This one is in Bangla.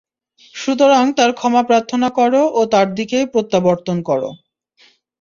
সুতরাং তাঁর ক্ষমা প্রার্থনা কর ও তার দিকেই প্রত্যাবর্তন কর।